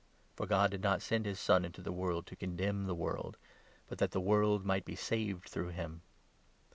For God did not send his Son into the world 17 to condemn the world, but that the world might be saved through him.